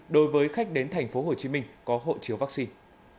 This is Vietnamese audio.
đối với khách đến tp hcm có hộ chiếu vaccine